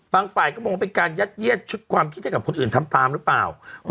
ฝ่ายก็มองว่าเป็นการยัดเยียดชุดความคิดให้กับคนอื่นทำตามหรือเปล่า